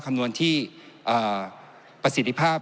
คำนวณที่ประสิทธิภาพ